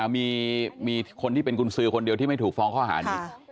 มีคนที่เป็นกุญสือคนเดียวที่ไม่ถูกฟ้องข้อหานี้